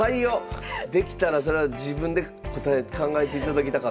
できたらそら自分で考えていただきたかった。